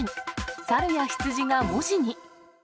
猿や羊が文字に。